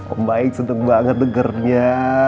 om baik seneng banget dengernya